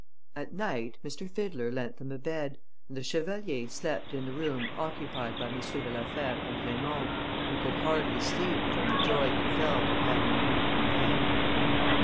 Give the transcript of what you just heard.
At night, M. Fiddler lent them a bed, and the chevalier slept in the room occupied by M. de la Fère and Raymond, who could hardly sleep from the joy he felt at having a new companion.